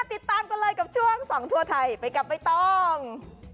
ติดตามกันเลยกับช่วงส่องทั่วไทยไปกับใบตอง